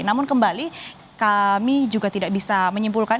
namun kembali kami juga tidak bisa menyimpulkan